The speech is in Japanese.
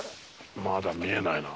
まだ見えないな。